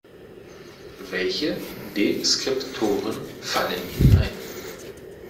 Welche Deskriptoren fallen Ihnen ein?